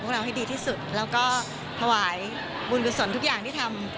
พวกเราให้ดีที่สุดเราก็ถวายบุญฺลุษลทุกอย่างที่ทำ